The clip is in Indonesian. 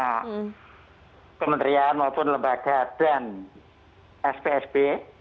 kementerian maupun lembaga dan spsb